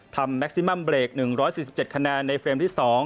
แม็กซิมัมเบรก๑๔๗คะแนนในเฟรมที่๒